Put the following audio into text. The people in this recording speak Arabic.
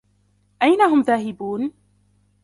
أين هم ذاهبون ؟